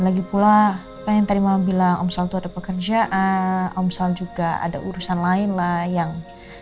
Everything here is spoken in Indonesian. lagipula kan yang tadi mama bilang om sal tuh ada pekerjaan om sal juga ada urusan lain lah yang